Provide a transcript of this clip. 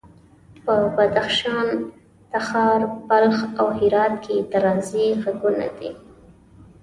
په بدخشان، تخار، بلخ او هرات کې اعتراضي غږونه دي.